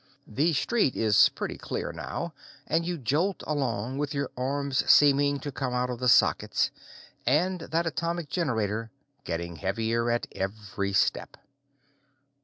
The street is pretty clear now and you jolt along, with your arms seeming to come out of the sockets, and that atomic generator getting heavier at every step.